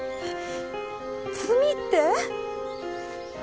罪って？